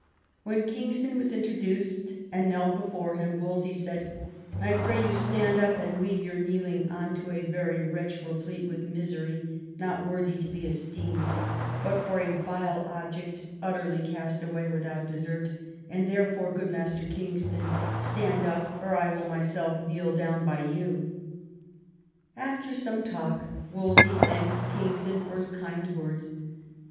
When Kingston was intro duced and knelt before him, Wolsey said, " I pray you stand up, and leave your kneeling unto a very wretch replete with misery, not worthy to be esteemed, but for a vile object utterly cast away, without desert; and therefore, good Master Kingston, stand up, or I will myself kneel down by you." After some talk Wolsey thanked Kingston for his kind words.